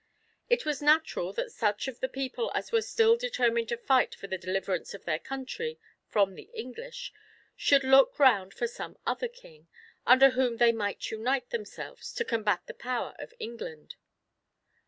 It was natural that such of the people as were still determined to fight for the deliverance of their country from the English, should look round for some other King, under whom they might unite themselves, to combat the power of England.